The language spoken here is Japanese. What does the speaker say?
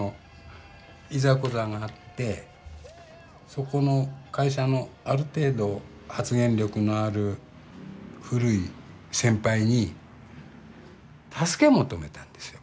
そこの会社のある程度発言力のある古い先輩に助け求めたんですよ